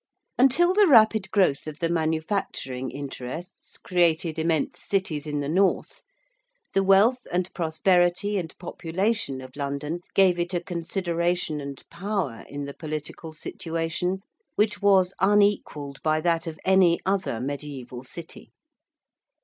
Until the rapid growth of the manufacturing interests created immense cities in the North, the wealth and prosperity and population of London gave it a consideration and power in the political situation which was unequalled by that of any other mediæval city.